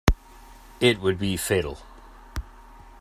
It would be fatal.